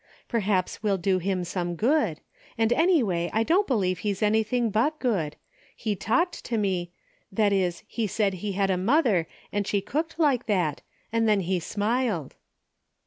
Perhaps we'll do him some good, and anyway I don't be lieve he's anything but good — he talked to me — that is he said he had a mother and she cooked like that, and then he smiled."